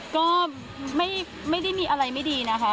ก็ไม่ได้มีอะไรไม่ดีนะคะ